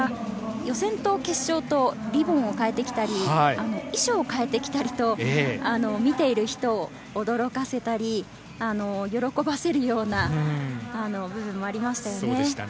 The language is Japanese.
予選と決勝とリボンを変えてきたり、衣装を替えてきたりと見ている人を驚かせたり、喜ばせるような部分もありましたね。